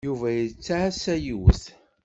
Yuba yettɛassa yiwet.